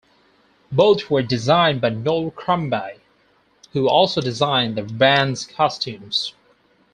Both were designed by Noel Crombie, who also designed the band's costumes.